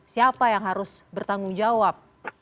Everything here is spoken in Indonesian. siapa yang harus bertanggung jawab